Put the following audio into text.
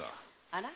あら？